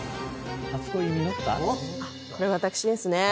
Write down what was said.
これ私ですね。